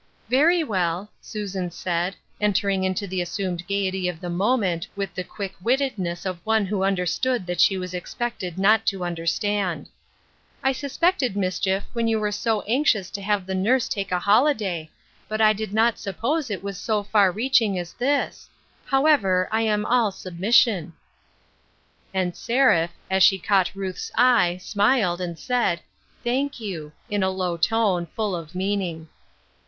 " Very well," Susan said, entering into the as sumed gaiety of the moment with the quick witted ness of one who understood that she was expected not to understand. " I suspected mischief when you were so anxious to have the nurse take a holi day, but I did not suppose it was so far reaching as this ; however, I am all submission." And Seraph, as she caught Ruth's eye, smiled, and said, " Thank you," in a low tone, full of meaning.